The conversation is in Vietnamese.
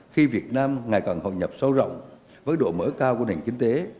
khi việt nam ngày càng hội nhập sâu rộng với độ mở cao của nền kinh tế